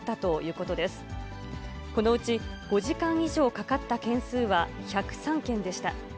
このうち５時間以上かかった件数は１０３件でした。